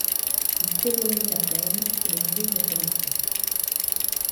Il s’éloignait à peine que le bruit recommença.